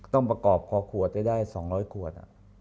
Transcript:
ต้องประกอบคอขวดให้ได้๒๐๐ขวด